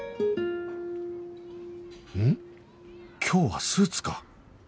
今日はスーツか